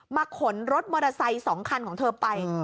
ขนรถมอเตอร์ไซค์๒คันของเธอไป